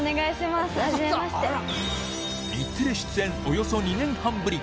日テレ出演、およそ２年半ぶり。